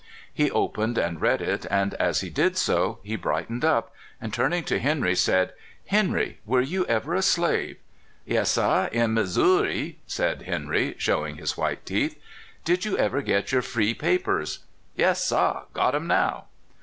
He opened and read it, and as he did so he brightened up and, turning to Hen ry, said: Henry, were you ever a slave?" " Yes, sah ; in Mizzoory," said Henry, showing his white teeth. " Did you ever get your free papers? "" Yes, sah — got 'em now."